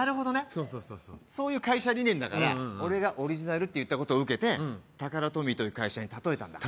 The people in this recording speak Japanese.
そうそうそうそういう会社理念だから俺がオリジナルって言ったことを受けてうんタカラトミーという会社に例えたんだ